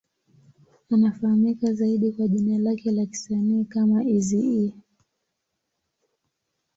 Anafahamika zaidi kwa jina lake la kisanii kama Eazy-E.